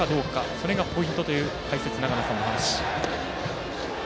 それがポイントという解説、長野さんのお話。